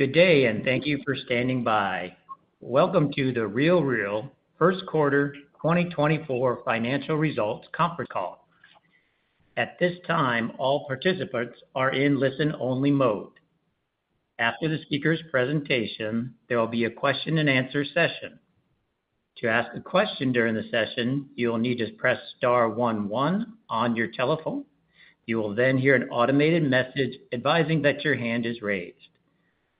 Good day, and thank you for standing by. Welcome to The RealReal Q1 2024 Financial Results Conference Call. At this time, all participants are in listen-only mode. After the speaker's presentation, there will be a question-and-answer session. To ask a question during the session, you'll need to press star 11 on your telephone. You will then hear an automated message advising that your hand is raised.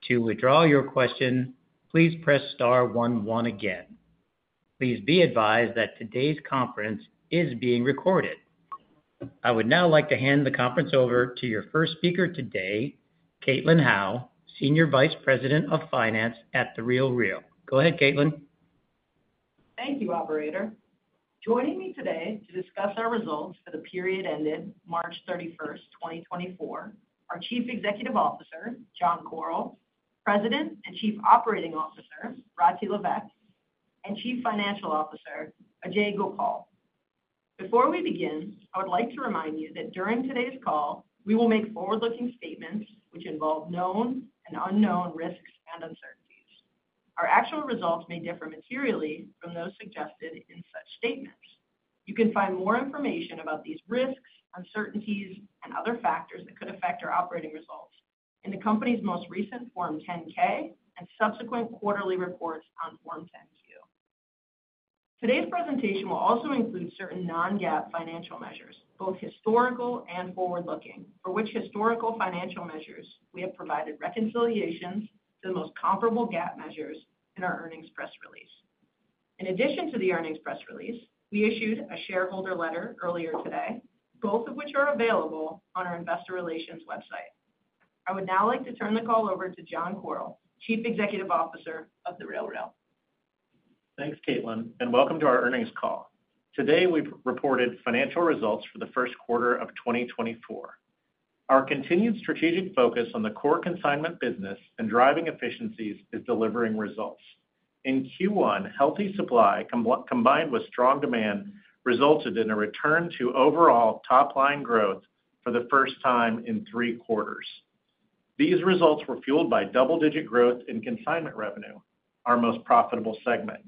To withdraw your question, please press star one one again. Please be advised that today's conference is being recorded. I would now like to hand the conference over to your first speaker today, Caitlin Howe, Senior Vice President of Finance at The RealReal. Go ahead, Caitlin. Thank you, Operator. Joining me today to discuss our results for the period ended March 31, 2024 are Chief Executive Officer John Koryl, President and Chief Operating Officer Rati Sahi Levesque, and Chief Financial Officer Ajay Gopal. Before we begin, I would like to remind you that during today's call we will make forward-looking statements which involve known and unknown risks and uncertainties. Our actual results may differ materially from those suggested in such statements. You can find more information about these risks, uncertainties, and other factors that could affect our operating results in the company's most recent Form 10-K and subsequent quarterly reports on Form 10-Q. Today's presentation will also include certain non-GAAP financial measures, both historical and forward-looking, for which historical financial measures we have provided reconciliations to the most comparable GAAP measures in our earnings press release. In addition to the earnings press release, we issued a shareholder letter earlier today, both of which are available on our investor relations website. I would now like to turn the call over to John Koryl, Chief Executive Officer of The RealReal. Thanks, Caitlin, and welcome to our earnings call. Today we reported financial results for the Q1 of 2024. Our continued strategic focus on the core consignment business and driving efficiencies is delivering results. In Q1, healthy supply combined with strong demand resulted in a return to overall top-line growth for the first time in three quarters. These results were fueled by double-digit growth in consignment revenue, our most profitable segment.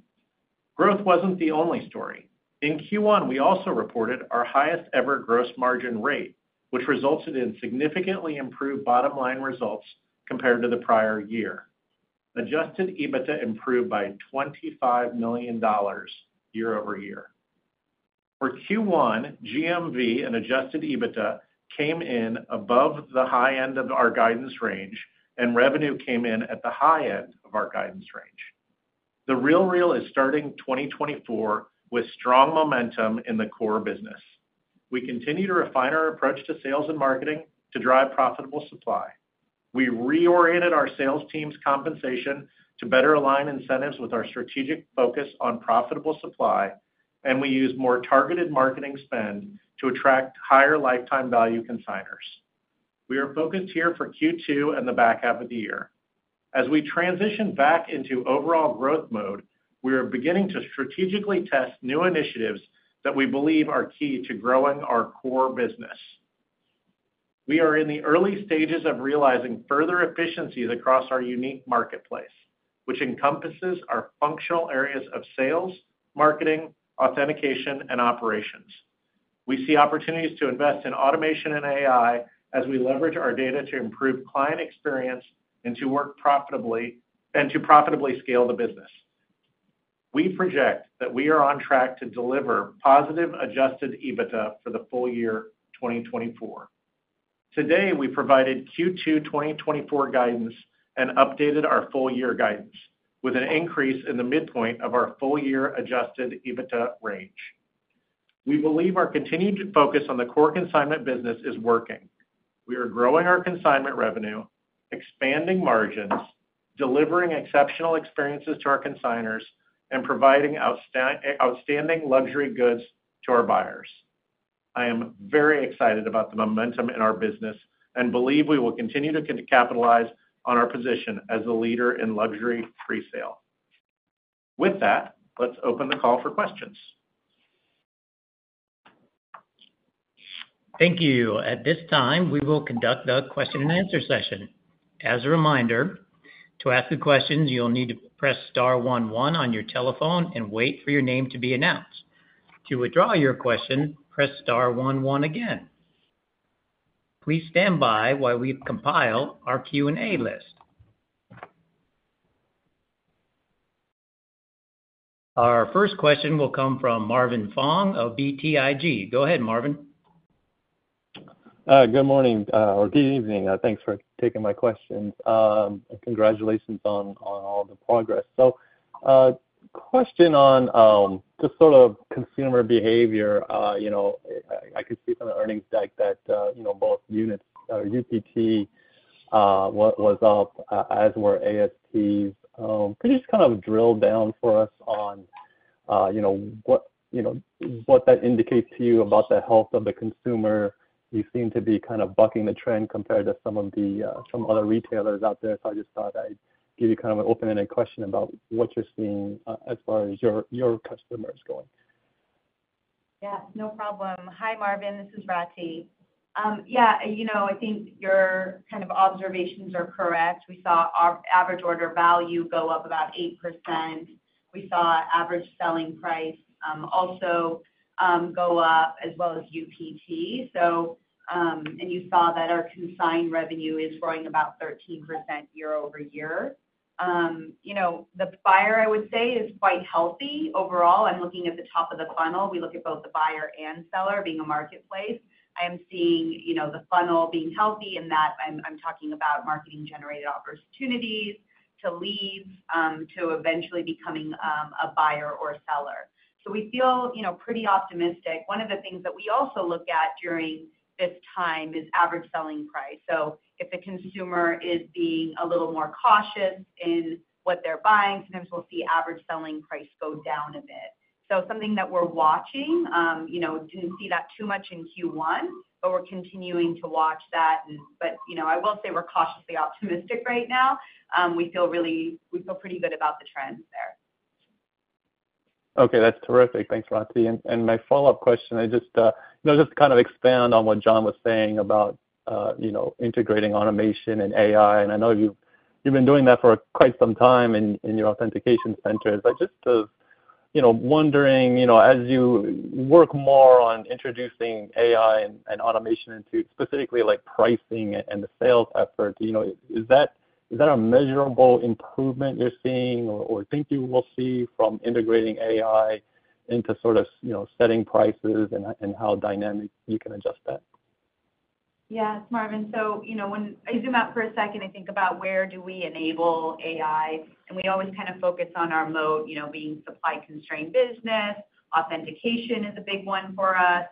Growth wasn't the only story. In Q1 we also reported our highest-ever gross margin rate, which resulted in significantly improved bottom-line results compared to the prior year. Adjusted EBITDA improved by $25 million year-over-year. For Q1, GMV and adjusted EBITDA came in above the high end of our guidance range, and revenue came in at the high end of our guidance range. The RealReal is starting 2024 with strong momentum in the core business. We continue to refine our approach to sales and marketing to drive profitable supply. We reoriented our sales team's compensation to better align incentives with our strategic focus on profitable supply, and we use more targeted marketing spend to attract higher lifetime value consignors. We are focused here for Q2 and the back half of the year. As we transition back into overall growth mode, we are beginning to strategically test new initiatives that we believe are key to growing our core business. We are in the early stages of realizing further efficiencies across our unique marketplace, which encompasses our functional areas of sales, marketing, authentication, and operations. We see opportunities to invest in automation and AI as we leverage our data to improve client experience and to work profitably and to profitably scale the business. We project that we are on track to deliver positive Adjusted EBITDA for the full year 2024. Today we provided Q2 2024 guidance and updated our full year guidance with an increase in the midpoint of our full year Adjusted EBITDA range. We believe our continued focus on the core consignment business is working. We are growing our consignment revenue, expanding margins, delivering exceptional experiences to our consignors, and providing outstanding luxury goods to our buyers. I am very excited about the momentum in our business and believe we will continue to capitalize on our position as a leader in luxury resale. With that, let's open the call for questions. Thank you. At this time, we will conduct the question-and-answer session. As a reminder, to ask the questions you'll need to press star 11 on your telephone and wait for your name to be announced. To withdraw your question, press star 11 again. Please stand by while we compile our Q&A list. Our first question will come from Marvin Fong of BTIG. Go ahead, Marvin. Good morning or good evening. Thanks for taking my questions, and congratulations on all the progress. So, question on just sort of consumer behavior. I can see from the earnings deck that both units or UPT was up as were ASPs. Could you just kind of drill down for us on what that indicates to you about the health of the consumer? You seem to be kind of bucking the trend compared to some of the other retailers out there, so I just thought I'd give you kind of an open-ended question about what you're seeing as far as your customers going. Yes, no problem. Hi, Marvin. This is Rati. Yeah, I think your kind of observations are correct. We saw average order value go up about 8%. We saw average selling price also go up as well as UPT, and you saw that our consignment revenue is growing about 13% year-over-year. The buyer, I would say, is quite healthy overall. I'm looking at the top of the funnel. We look at both the buyer and seller being a marketplace. I am seeing the funnel being healthy in that I'm talking about marketing-generated opportunities to leads to eventually becoming a buyer or seller. So we feel pretty optimistic. One of the things that we also look at during this time is average selling price. So if the consumer is being a little more cautious in what they're buying, sometimes we'll see average selling price go down a bit. Something that we're watching. Didn't see that too much in Q1, but we're continuing to watch that. I will say we're cautiously optimistic right now. We feel pretty good about the trends there. Okay, that's terrific. Thanks, Rati. My follow-up question, I'd just kind of expand on what John was saying about integrating automation and AI, and I know you've been doing that for quite some time in your authentication centers. I'm just wondering, as you work more on introducing AI and automation into specifically pricing and the sales effort, is that a measurable improvement you're seeing or think you will see from integrating AI into sort of setting prices and how dynamic you can adjust that? Yes, Marvin. So when I zoom out for a second and think about where do we enable AI, and we always kind of focus on our mode being supply-constrained business. Authentication is a big one for us,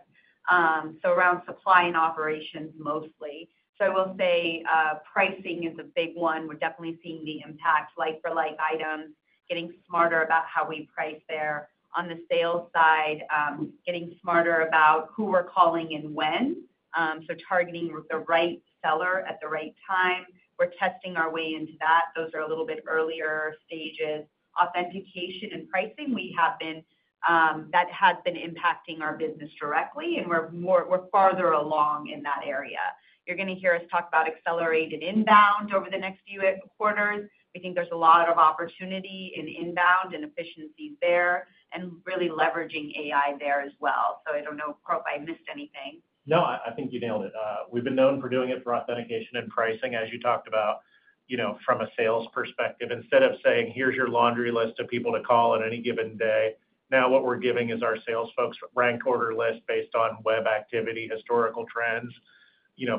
so around supply and operations mostly. So I will say pricing is a big one. We're definitely seeing the impact like-for-like items, getting smarter about how we price there. On the sales side, getting smarter about who we're calling and when, so targeting the right seller at the right time. We're testing our way into that. Those are a little bit earlier stages. Authentication and pricing, that has been impacting our business directly, and we're farther along in that area. You're going to hear us talk about accelerated inbound over the next few quarters. We think there's a lot of opportunity in inbound and efficiencies there and really leveraging AI there as well. So, I don't know if I missed anything. No, I think you nailed it. We've been known for doing it for authentication and pricing, as you talked about, from a sales perspective. Instead of saying, "Here's your laundry list of people to call on any given day," now what we're giving is our sales folks' ranked order list based on web activity, historical trends.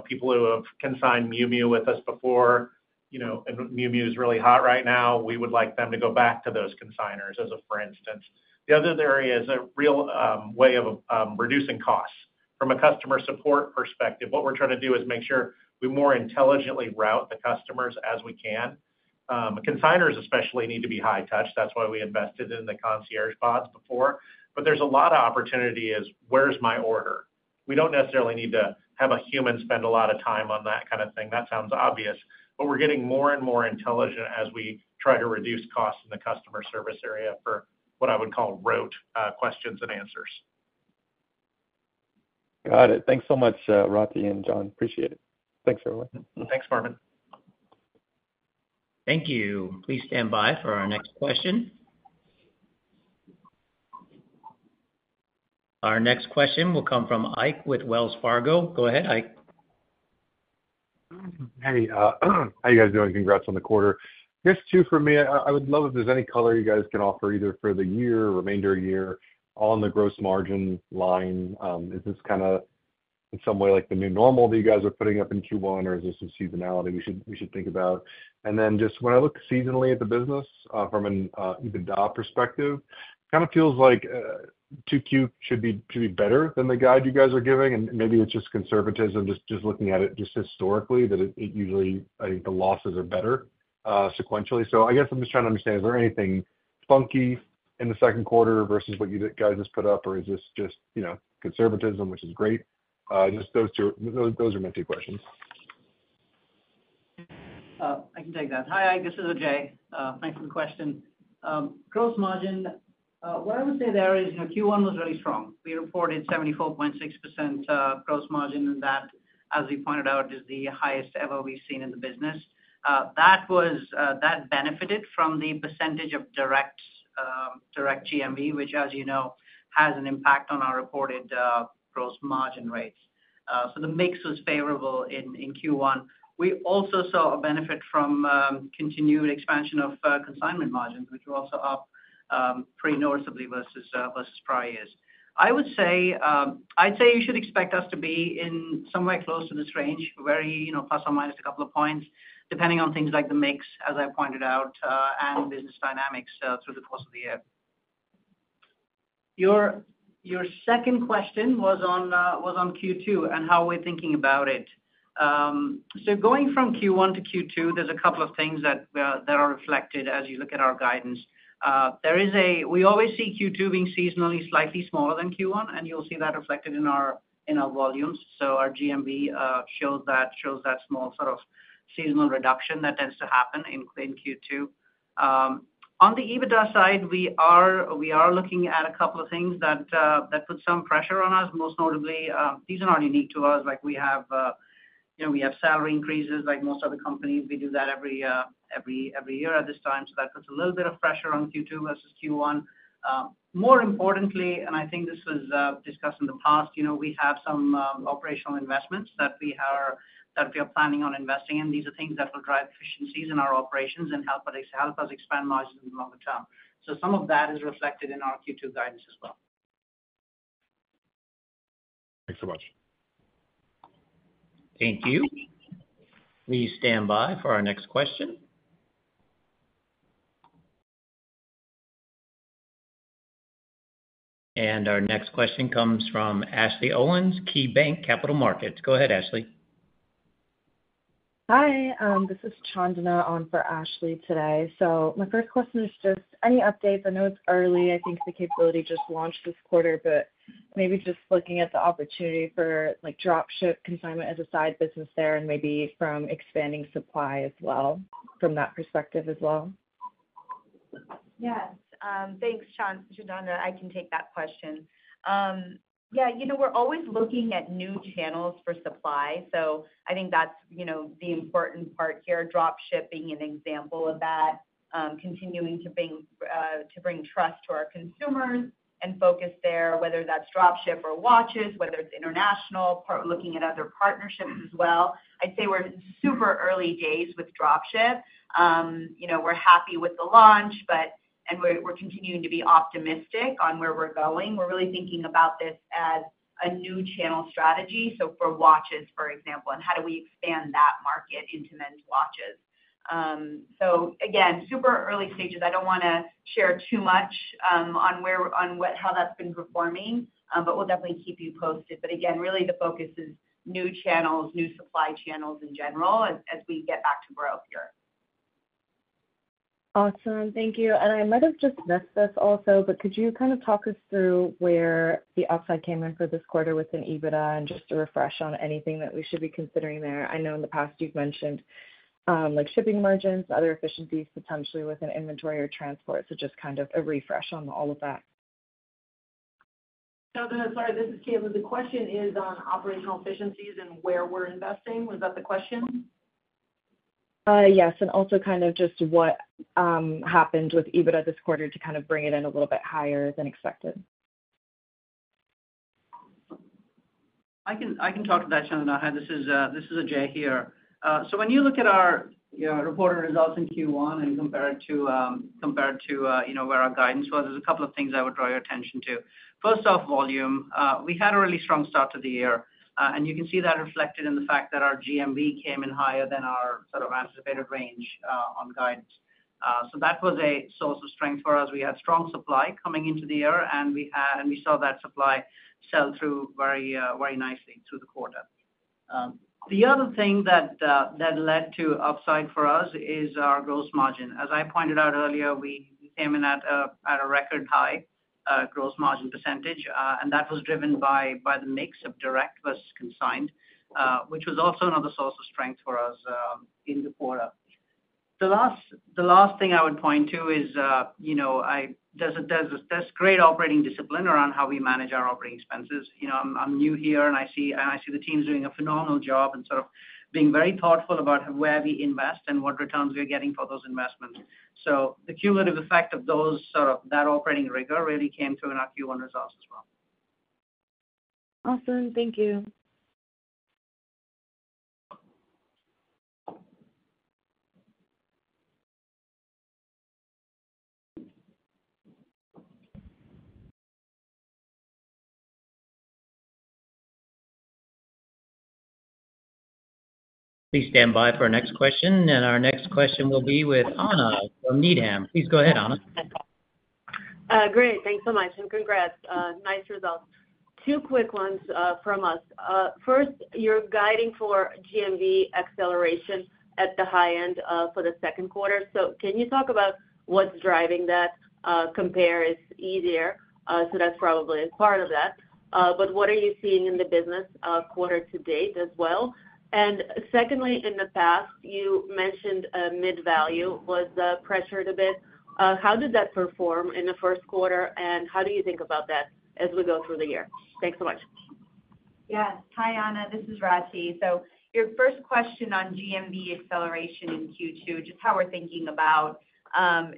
People who have consigned Miu Miu with us before, and Miu Miu is really hot right now, we would like them to go back to those consignors, as, for instance. The other area is a real way of reducing costs. From a customer support perspective, what we're trying to do is make sure we more intelligently route the customers as we can. Consignors especially need to be high-touch. That's why we invested in the concierge pods before. But there's a lot of opportunity as, "Where's my order?" We don't necessarily need to have a human spend a lot of time on that kind of thing. That sounds obvious, but we're getting more and more intelligent as we try to reduce costs in the customer service area for what I would call rote questions and answers. Got it. Thanks so much, Rati and John. Appreciate it. Thanks, everyone. Thanks, Marvin. Thank you. Please stand by for our next question. Our next question will come from Ike with Wells Fargo. Go ahead, Ike. Hey. How are you guys doing? Congrats on the quarter. I guess two for me. I would love if there's any color you guys can offer either for the year, remainder of year, all in the gross margin line. Is this kind of in some way like the new normal that you guys are putting up in Q1, or is there some seasonality we should think about? And then just when I look seasonally at the business from an EBITDA perspective, it kind of feels like 2Q should be better than the guide you guys are giving, and maybe it's just conservatism, just looking at it just historically, that it usually I think the losses are better sequentially. So I guess I'm just trying to understand, is there anything funky in the Q2 versus what you guys just put up, or is this just conservatism, which is great? Just those are my two questions. I can take that. Hi, Ike. This is Ajay. Thanks for the question. Gross margin, what I would say there is Q1 was really strong. We reported 74.6% gross margin, and that, as we pointed out, is the highest ever we've seen in the business. That benefited from the percentage of direct GMV, which, as you know, has an impact on our reported gross margin rates. So the mix was favorable in Q1. We also saw a benefit from continued expansion of consignment margins, which were also up pretty noticeably versus prior years. I would say you should expect us to be in somewhere close to this range, plus or minus a couple of points, depending on things like the mix, as I pointed out, and business dynamics through the course of the year. Your second question was on Q2 and how we're thinking about it. So going from Q1 to Q2, there's a couple of things that are reflected as you look at our guidance. We always see Q2 being seasonally slightly smaller than Q1, and you'll see that reflected in our volumes. So our GMV shows that small sort of seasonal reduction that tends to happen in Q2. On the EBITDA side, we are looking at a couple of things that put some pressure on us, most notably these are not unique to us. We have salary increases like most other companies. We do that every year at this time, so that puts a little bit of pressure on Q2 versus Q1. More importantly, and I think this was discussed in the past, we have some operational investments that we are planning on investing in. These are things that will drive efficiencies in our operations and help us expand margins in the longer term. Some of that is reflected in our Q2 guidance as well. Thanks so much. Thank you. Please stand by for our next question. Our next question comes from Ashley Owens, KeyBanc Capital Markets. Go ahead, Ashley. Hi. This is Chandana on for Ashley today. My first question is just any updates. I know it's early. I think the capability just launched this quarter, but maybe just looking at the opportunity for dropship consignment as a side business there and maybe from expanding supply as well, from that perspective as well. Yes. Thanks, Chandana. I can take that question. Yeah, we're always looking at new channels for supply, so I think that's the important part here. Dropshipping, an example of that, continuing to bring trust to our consumers and focus there, whether that's dropship or watches, whether it's international, looking at other partnerships as well. I'd say we're in super early days with dropship. We're happy with the launch, and we're continuing to be optimistic on where we're going. We're really thinking about this as a new channel strategy, so for watches, for example, and how do we expand that market into men's watches? So again, super early stages. I don't want to share too much on how that's been performing, but we'll definitely keep you posted. But again, really, the focus is new channels, new supply channels in general as we get back to growth here. Awesome. Thank you. And I might have just missed this also, but could you kind of talk us through where the upside came in for this quarter within EBITDA and just a refresh on anything that we should be considering there? I know in the past you've mentioned shipping margins, other efficiencies potentially within inventory or transport, so just kind of a refresh on all of that. Sorry, this is Caitlin. The question is on operational efficiencies and where we're investing. Was that the question? Yes. And also kind of just what happened with EBITDA this quarter to kind of bring it in a little bit higher than expected? I can talk to that, Chandana. Hi, this is Ajay here. So when you look at our reported results in Q1 and compare it to where our guidance was, there's a couple of things I would draw your attention to. First off, volume. We had a really strong start to the year, and you can see that reflected in the fact that our GMV came in higher than our sort of anticipated range on guidance. So that was a source of strength for us. We had strong supply coming into the year, and we saw that supply sell through very nicely through the quarter. The other thing that led to upside for us is our gross margin. As I pointed out earlier, we came in at a record high gross margin percentage, and that was driven by the mix of direct versus consigned, which was also another source of strength for us in the quarter. The last thing I would point to is there's great operating discipline around how we manage our operating expenses. I'm new here, and I see the team's doing a phenomenal job and sort of being very thoughtful about where we invest and what returns we're getting for those investments. So the cumulative effect of that operating rigor really came through in our Q1 results as well. Awesome. Thank you. Please stand by for our next question, and our next question will be with Anna from Needham. Please go ahead, Anna. Great. Thanks so much, and congrats. Nice results. Two quick ones from us. First, you're guiding for GMV acceleration at the high end for the Q2. So can you talk about what's driving that? Compare is easier, so that's probably part of that. But what are you seeing in the business quarter to date as well? And secondly, in the past, you mentioned mid-value was pressured a bit. How did that perform in the Q1, and how do you think about that as we go through the year? Thanks so much. Yes. Hi, Anna. This is Rati. So your first question on GMV acceleration in Q2, just how we're thinking about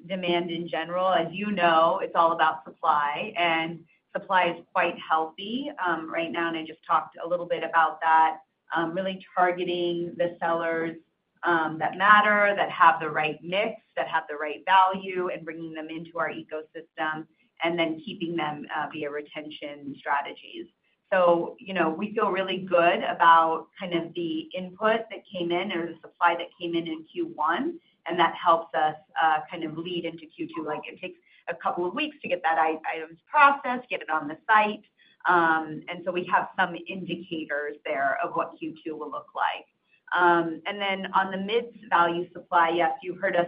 demand in general. As you know, it's all about supply, and supply is quite healthy right now, and I just talked a little bit about that, really targeting the sellers that matter, that have the right mix, that have the right value, and bringing them into our ecosystem, and then keeping them via retention strategies. So we feel really good about kind of the input that came in or the supply that came in in Q1, and that helps us kind of lead into Q2. It takes a couple of weeks to get that items processed, get it on the site, and so we have some indicators there of what Q2 will look like. And then on the mid-value supply, yes, you heard us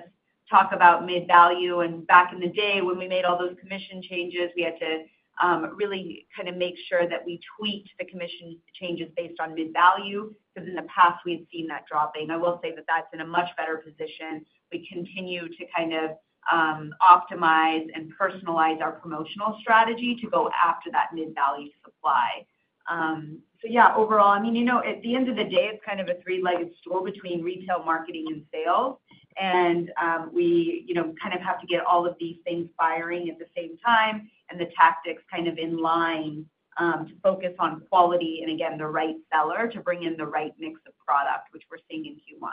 talk about mid-value. Back in the day, when we made all those commission changes, we had to really kind of make sure that we tweaked the commission changes based on mid-value because in the past, we had seen that dropping. I will say that that's in a much better position. We continue to kind of optimize and personalize our promotional strategy to go after that mid-value supply. So yeah, overall, I mean, at the end of the day, it's kind of a three-legged stool between retail marketing and sales, and we kind of have to get all of these things firing at the same time and the tactics kind of in line to focus on quality and, again, the right seller to bring in the right mix of product, which we're seeing in Q1.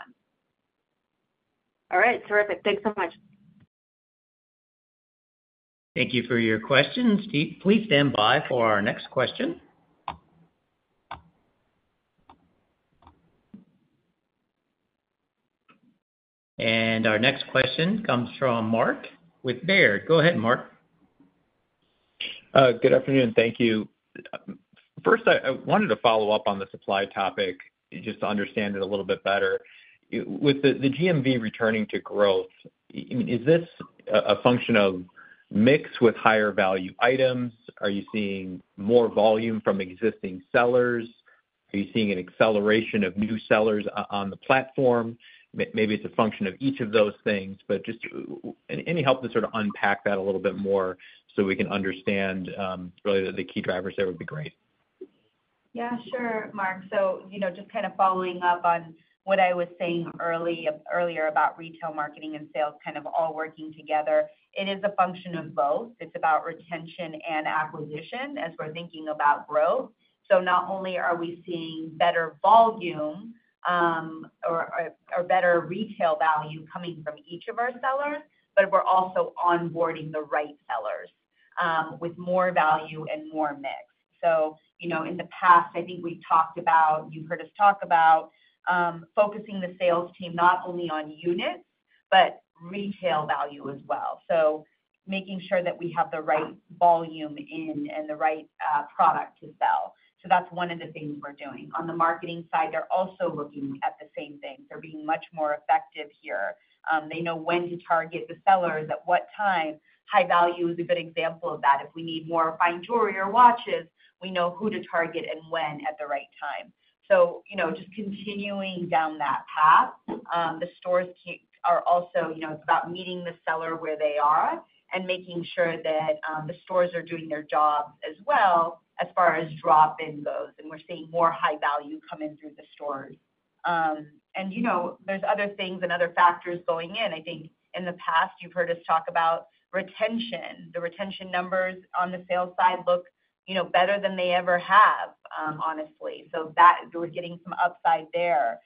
All right. Terrific. Thanks so much. Thank you for your questions, Steve. Please stand by for our next question. Our next question comes from Mark with Baird. Go ahead, Mark. Good afternoon. Thank you. First, I wanted to follow up on the supply topic just to understand it a little bit better. With the GMV returning to growth, I mean, is this a function of mix with higher value items? Are you seeing more volume from existing sellers? Are you seeing an acceleration of new sellers on the platform? Maybe it's a function of each of those things, but just any help to sort of unpack that a little bit more so we can understand really the key drivers there would be great. Yeah, sure, Mark. So just kind of following up on what I was saying earlier about retail marketing and sales kind of all working together, it is a function of both. It's about retention and acquisition as we're thinking about growth. So not only are we seeing better volume or better retail value coming from each of our sellers, but we're also onboarding the right sellers with more value and more mix. So in the past, I think we've talked about you've heard us talk about focusing the sales team not only on units but retail value as well, so making sure that we have the right volume in and the right product to sell. So that's one of the things we're doing. On the marketing side, they're also looking at the same thing. They're being much more effective here. They know when to target the sellers, at what time. High value is a good example of that. If we need more fine jewelry or watches, we know who to target and when at the right time. So just continuing down that path, the stores are also. It's about meeting the seller where they are and making sure that the stores are doing their job as well as far as drop-in goes, and we're seeing more high value come in through the stores. And there's other things and other factors going in. I think in the past, you've heard us talk about retention. The retention numbers on the sales side look better than they ever have, honestly. So we're getting some upside there.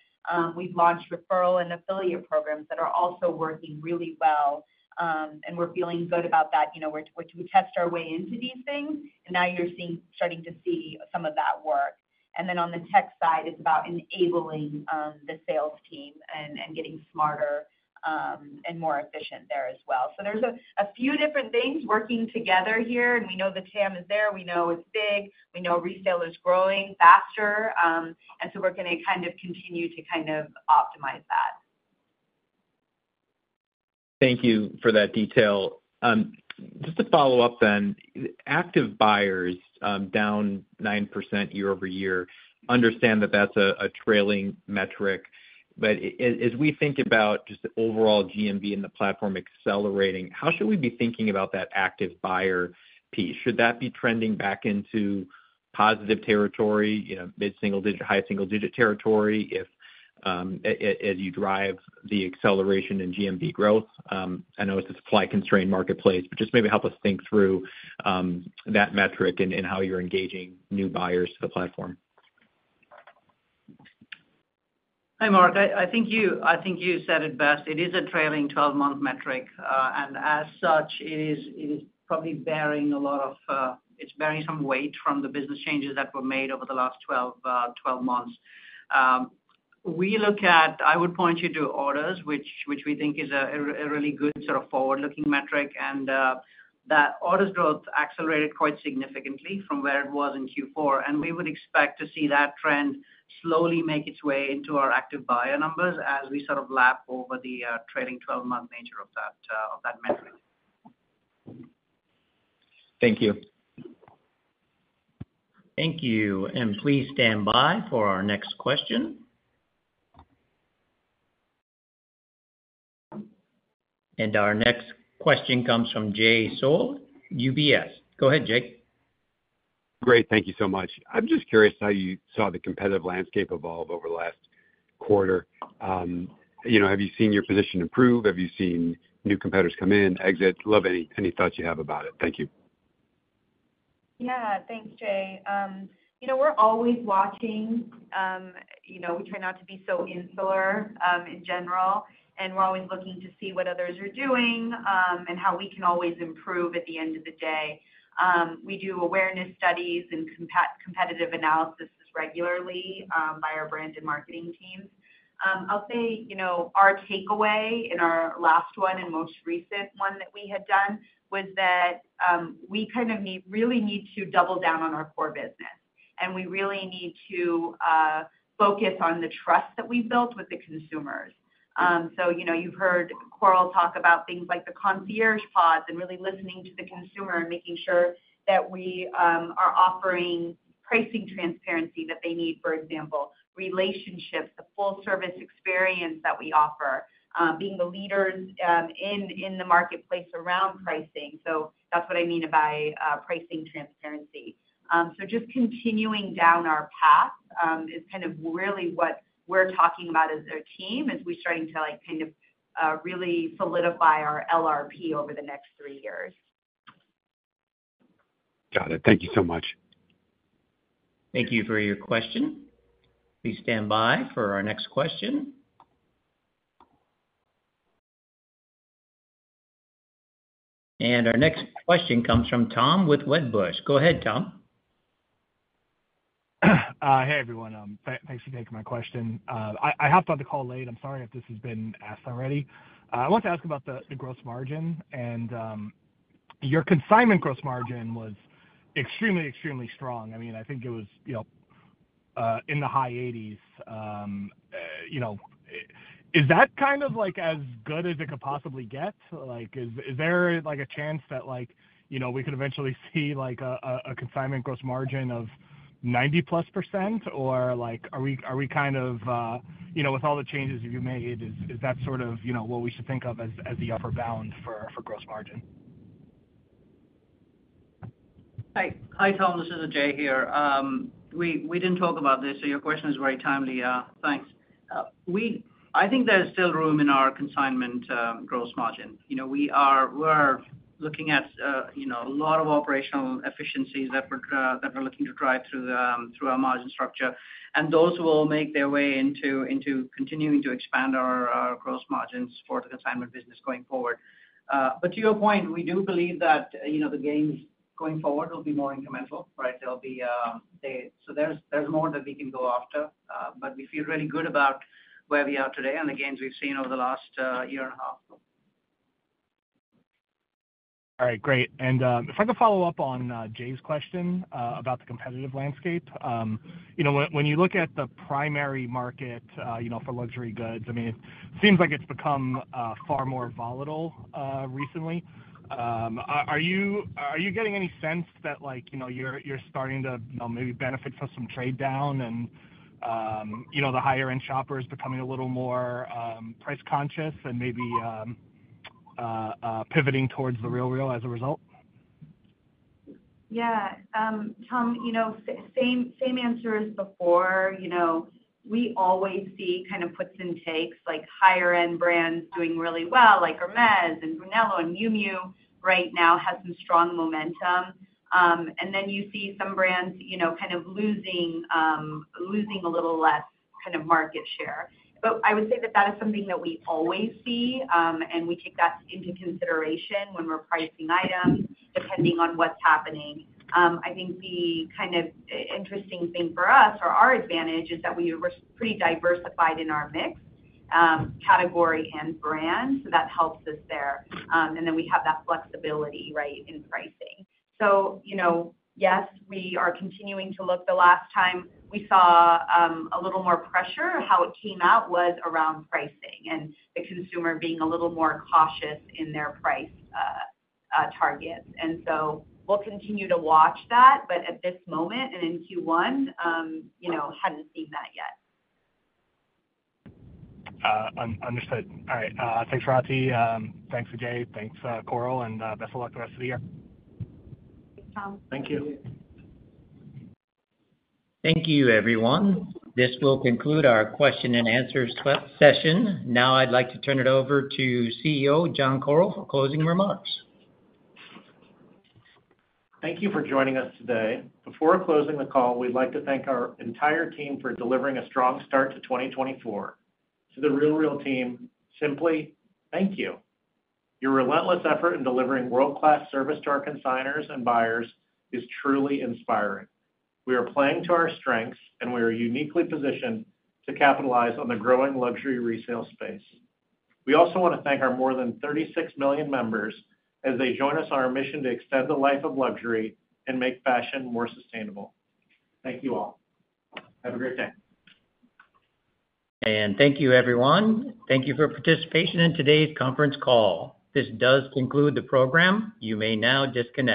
We've launched referral and affiliate programs that are also working really well, and we're feeling good about that. We test our way into these things, and now you're starting to see some of that work. On the tech side, it's about enabling the sales team and getting smarter and more efficient there as well. There's a few different things working together here, and we know the TAM is there. We know it's big. We know retail is growing faster, and so we're going to kind of continue to kind of optimize that. Thank you for that detail. Just to follow up then, active buyers down 9% year-over-year. Understand that that's a trailing metric, but as we think about just the overall GMV and the platform accelerating, how should we be thinking about that active buyer piece? Should that be trending back into positive territory, mid-single-digit, high-single-digit territory as you drive the acceleration in GMV growth? I know it's a supply-constrained marketplace, but just maybe help us think through that metric and how you're engaging new buyers to the platform. Hi, Mark. I think you said it best. It is a trailing 12-month metric, and as such, it is probably bearing some weight from the business changes that were made over the last 12 months. I would point you to orders, which we think is a really good sort of forward-looking metric, and that orders growth accelerated quite significantly from where it was in Q4, and we would expect to see that trend slowly make its way into our active buyer numbers as we sort of lap over the trailing 12-month nature of that metric. Thank you. Thank you. Please stand by for our next question. Our next question comes from Jay Sole, UBS. Go ahead, Jay. Great. Thank you so much. I'm just curious how you saw the competitive landscape evolve over the last quarter. Have you seen your position improve? Have you seen new competitors come in, exit? Love any thoughts you have about it. Thank you. Yeah. Thanks, Jay. We're always watching. We try not to be so insular in general, and we're always looking to see what others are doing and how we can always improve at the end of the day. We do awareness studies and competitive analysis regularly by our brand and marketing teams. I'll say our takeaway in our last one and most recent one that we had done was that we kind of really need to double down on our core business, and we really need to focus on the trust that we've built with the consumers. So you've heard Koryl talk about things like the concierge pods and really listening to the consumer and making sure that we are offering pricing transparency that they need, for example, relationships, the full-service experience that we offer, being the leaders in the marketplace around pricing. So that's what I mean by pricing transparency. Just continuing down our path is kind of really what we're talking about as a team as we're starting to kind of really solidify our LRP over the next three years. Got it. Thank you so much. Thank you for your question. Please stand by for our next question. Our next question comes from Tom with Wedbush. Go ahead, Tom. Hey, everyone. Thanks for taking my question. I hopped on the call late. I'm sorry if this has been asked already. I wanted to ask about the gross margin, and your consignment gross margin was extremely, extremely strong. I mean, I think it was in the high 80s. Is that kind of as good as it could possibly get? Is there a chance that we could eventually see a consignment gross margin of 90%+, or are we kind of with all the changes you've made, is that sort of what we should think of as the upper bound for gross margin? Hi, Tom. This is Ajay here. We didn't talk about this, so your question is very timely. Thanks. I think there's still room in our consignment gross margin. We're looking at a lot of operational efficiencies that we're looking to drive through our margin structure, and those will make their way into continuing to expand our gross margins for the consignment business going forward. But to your point, we do believe that the gains going forward will be more incremental, right? So there's more that we can go after, but we feel really good about where we are today and the gains we've seen over the last year and a half. All right. Great. And if I could follow up on Jay's question about the competitive landscape, when you look at the primary market for luxury goods, I mean, it seems like it's become far more volatile recently. Are you getting any sense that you're starting to maybe benefit from some trade-down and the higher-end shoppers becoming a little more price-conscious and maybe pivoting towards The RealReal as a result? Yeah. Tom, same answer as before. We always see kind of puts-and-takes, like higher-end brands doing really well like Hermès and Brunello and Miu Miu right now has some strong momentum, and then you see some brands kind of losing a little less kind of market share. But I would say that that is something that we always see, and we take that into consideration when we're pricing items depending on what's happening. I think the kind of interesting thing for us or our advantage is that we were pretty diversified in our mix, category, and brand, so that helps us there. And then we have that flexibility, right, in pricing. So yes, we are continuing to look. The last time we saw a little more pressure, how it came out was around pricing and the consumer being a little more cautious in their price targets. And so we'll continue to watch that, but at this moment and in Q1, hadn't seen that yet. Understood. All right. Thanks, Rati. Thanks, Ajay. Thanks, Koryl. Best of luck the rest of the year. Thanks, Tom. Thank you. Thank you, everyone. This will conclude our question-and-answer session. Now, I'd like to turn it over to CEO John Koryl for closing remarks. Thank you for joining us today. Before closing the call, we'd like to thank our entire team for delivering a strong start to 2024. To the RealReal team, simply, thank you. Your relentless effort in delivering world-class service to our consignors and buyers is truly inspiring. We are playing to our strengths, and we are uniquely positioned to capitalize on the growing luxury resale space. We also want to thank our more than 36 million members as they join us on our mission to extend the life of luxury and make fashion more sustainable. Thank you all. Have a great day. Thank you, everyone. Thank you for participation in today's conference call. This does conclude the program. You may now disconnect.